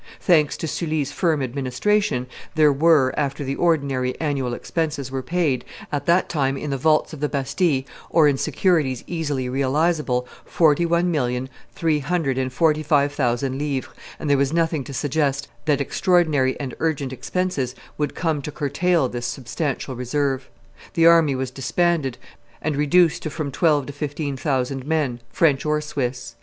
Thanks to Sully's firm administration, there were, after the ordinary annual expenses were paid, at that time in the vaults of the Bastille or in securities easily realizable, forty one million three hundred and forty five thousand livres, and there was nothing to suggest that extraordinary and urgent expenses would come to curtail this substantial reserve. The army was disbanded, and reduced to from twelve to fifteen thousand men, French or Swiss.